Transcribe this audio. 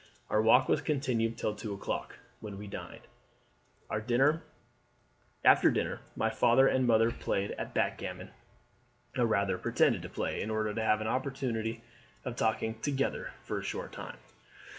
Our walk was continued till two o'clock, when we dined. After dinner my father and mother played at backgammon, or rather pretended to play, in order to have an opportunity of talking together for a short time.